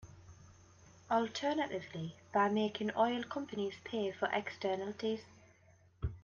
Alternatively, by making oil companies pay for externalities.